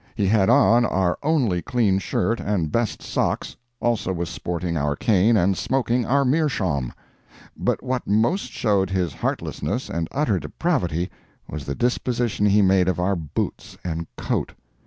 He had on our only clean shirt and best socks, also was sporting our cane and smoking our meerschaum. But what most showed his heartlessness and utter depravity was the disposition he made of our boots and coat.